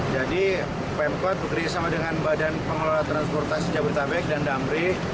jadi pemkot bekerja sama dengan badan pengelola transportasi jabodetabek dan damri